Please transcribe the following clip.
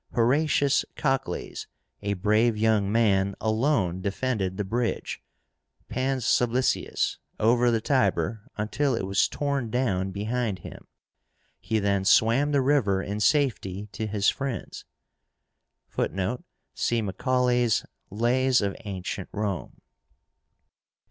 HORATIUS COCLES, a brave young man, alone defended the bridge (pans sublicius) over the Tiber until it was torn down behind him. He then swam the river in safety to his friends. (Footnote: See Macaulay's "Lays of Ancient Rome.")